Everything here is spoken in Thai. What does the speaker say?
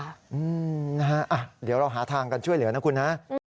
เดี๋ยวเราหาทางกันช่วยเหลือนะคุณฮะ